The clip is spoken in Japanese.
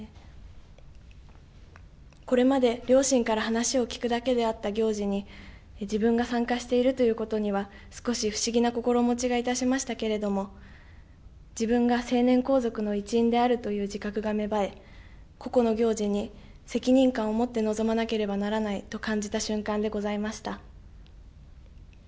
これまで両親から話を聞くだけであった行事に自分が参加しているということには少し不思議な心持ちがいたしましたけれども自分が成年皇族の一員であるという自覚が芽生え個々の行事に責任感を持って臨まなければならないと感じた瞬間でございました。